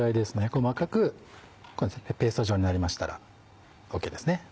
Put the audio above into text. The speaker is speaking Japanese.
細かくペースト状になりましたらＯＫですね。